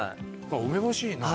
梅干しいいな。